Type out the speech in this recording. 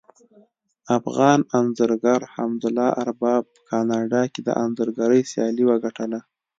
افغان انځورګر حمدالله ارباب په کاناډا کې د انځورګرۍ سیالي وګټله